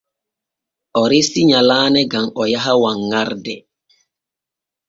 O resi nyalaane gam o yaha wanŋarde.